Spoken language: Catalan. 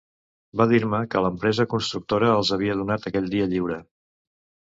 Va dir-me que l’empresa constructora els havia donat aquell dia lliure.